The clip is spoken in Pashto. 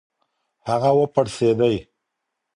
هغه و پړسېډی .